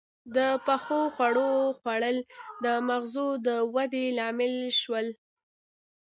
• د پخو خوړو خوړل د مغزو د ودې لامل شول.